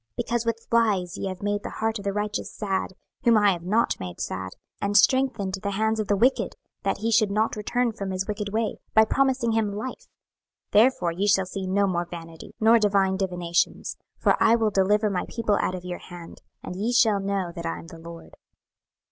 26:013:022 Because with lies ye have made the heart of the righteous sad, whom I have not made sad; and strengthened the hands of the wicked, that he should not return from his wicked way, by promising him life: 26:013:023 Therefore ye shall see no more vanity, nor divine divinations: for I will deliver my people out of your hand: and ye shall know that I am the LORD.